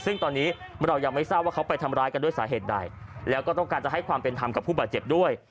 ซึ่งตอนนี้เรายังไม่ทราบว่าเขาไปทำร้ายกันด้วยสาเหตุใดแล้วก็ต้องการจะให้ความเป็นธรรมกับผู้บาดเจ็บด้วย